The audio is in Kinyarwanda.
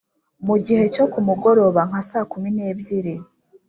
mugihe cyo kumugoroba nka saa kumi nebyiri,